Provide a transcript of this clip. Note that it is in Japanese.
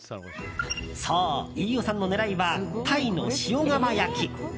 そう、飯尾さんの狙いはタイの塩釜焼き。